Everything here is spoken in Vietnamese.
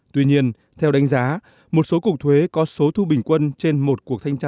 tuy nhiên theo đánh giá một số cuộc thuế có số thu bình quân trên một cuộc thanh tra